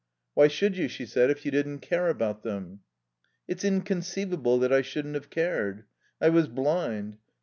"Why should you," she said, "if you didn't care about them?" "It's inconceivable that I shouldn't have cared. ... I was blind.